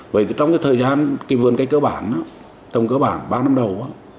vậy thì trong cái thời gian cái vườn cây cơ bản trồng cơ bản ba năm đầu